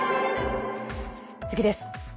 次です。